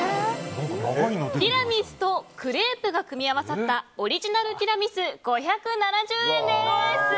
ティラミスとクレープが組み合わさったオリジナルティラミス５７０円です。